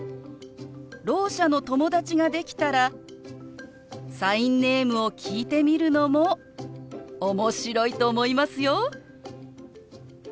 ろう者の友達ができたらサインネームを聞いてみるのも面白いと思いますよ。